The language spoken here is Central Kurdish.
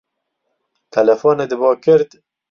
تەلەفۆنت بۆ کرد؟